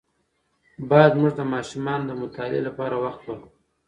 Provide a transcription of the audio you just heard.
باید زموږ د ماشومانو د مطالعې لپاره وخت ورکړو.